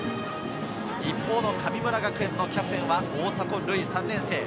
一方の神村学園のキャプテンは大迫塁、３年生。